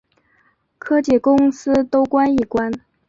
科技公司都关一关